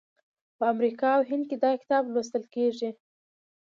په امریکا او هند کې دا کتاب لوستل کیږي.